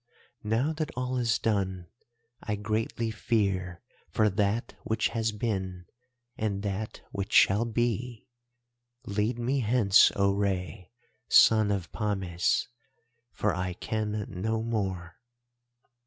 "'Now that all is done, I greatly fear for that which has been, and that which shall be. Lead me hence, O Rei, son of Pames, for I can no more.